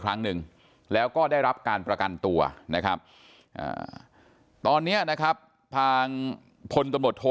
ครั้งหนึ่งแล้วก็ได้รับการประกันตัวนะครับตอนนี้นะครับทางพลตำรวจโท